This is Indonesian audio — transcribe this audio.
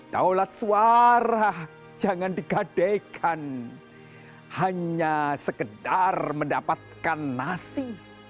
daulat suara jangan digadekan hanya sekedar mendapatkan nasi